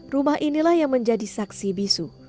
rumah inilah yang menjadi saksi bisu